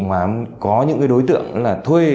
mà có những đối tượng là thuê